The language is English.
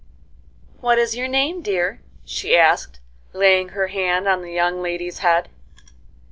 "What is your name, dear?" she asked, laying her hand on the young lady's head.